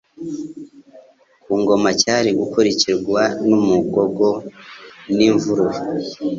ku ngoma cyari gukurikirwa n'umgomo n'imvururu,